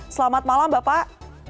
selamat malam bapak